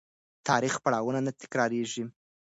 د تاریخ پړاوونه تکرارېږي.